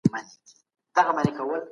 پارلمان ترانزیتي لاره نه تړي.